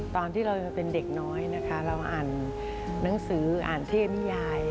ตอนที่เราเป็นเด็กน้อยนะคะเราอ่านหนังสืออ่านเทพนิยาย